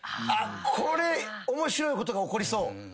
あっこれ面白いことが起こりそう。